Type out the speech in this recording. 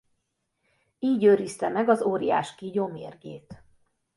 Így őrizte meg az óriáskígyó mérgét.